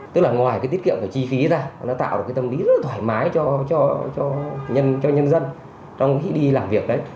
tức là ngoài cái tiết kiệm về chi phí ra nó tạo được cái tâm lý rất thoải mái cho nhân dân trong khi đi làm việc đấy